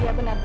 iya benar bu